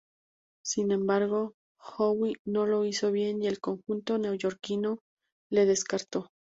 Sin embargo, Howe no lo hizo bien y el conjunto neoyorquino le descartó.